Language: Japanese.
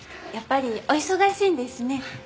やっぱりお忙しいんですね。